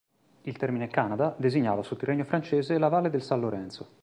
Il termine "Canada" designava sotto il regno francese la valle del San Lorenzo.